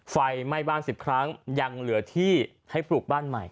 ไฟไหม้บ้าน๑๐ครั้งยังเหลือที่ให้ปลูกบ้านใหม่